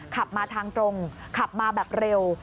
ขับมาทางตรงขับมาแบบเร็ว